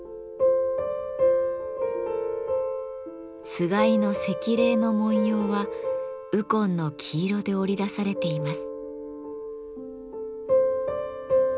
つがいのセキレイの紋様は鬱金の黄色で織り出されています。